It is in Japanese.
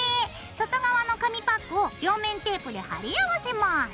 外側の紙パックを両面テープで貼り合わせます。